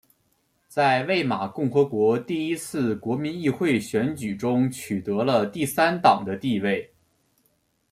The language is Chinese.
在魏玛共和国第一次国民议会选举中获得了第三党的地位。